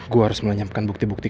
gue harus melenyamkan bukti bukti